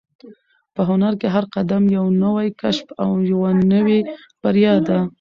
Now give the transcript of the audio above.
په هنر کې هر قدم یو نوی کشف او یوه نوې بریا ده.